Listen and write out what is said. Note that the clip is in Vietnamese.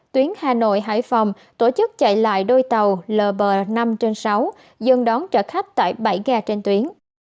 tuyến hà nội hải phòng tổ chức chạy lại đôi tàu lb năm trên sáu dừng đón trả khách tại bảy ga trên tuyến